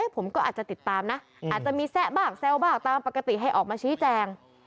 ผมก็อาจจะติดตามนะอาจจะมีแซะบ้างแซวบ้างตามปกติให้ออกมาชี้แจง